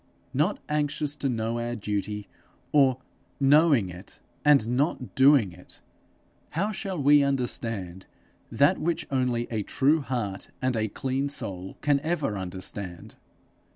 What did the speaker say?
Not anxious to know our duty, or knowing it and not doing it, how shall we understand that which only a true heart and a clean soul can ever understand?